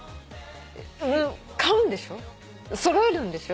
買うんでしょ？